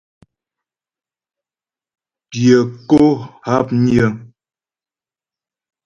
Pyə̂ kó hápnyə́.